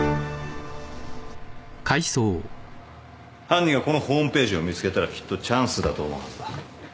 犯人がこのホームページを見つけたらきっとチャンスだと思うはずだ